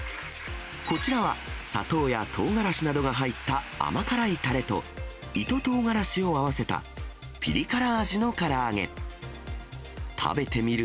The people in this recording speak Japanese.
こちらは、砂糖やとうがらしなどが入った甘辛いたれと、糸とうがらしを合わせた、ぴり辛味のから揚げ。